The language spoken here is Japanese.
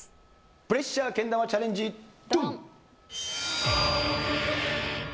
プレッシャーけん玉チャレンジドン！